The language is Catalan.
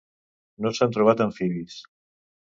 No s'han trobat amfibis.